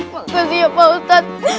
makasih ya pak ustadz